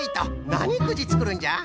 なにくじつくるんじゃ？